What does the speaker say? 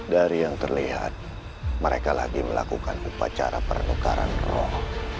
dari yang terlihat mereka lagi melakukan upacara pernukaran roh